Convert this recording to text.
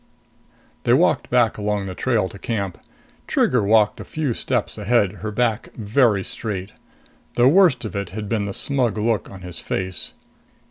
They walked back along the trail to camp. Trigger walked a few steps ahead, her back very straight. The worst of it had been the smug look on his face.